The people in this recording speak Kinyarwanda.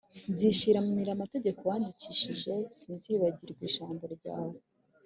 . Nzishimira amategeko wandikishije, sinzibagirwa ijambo ryawe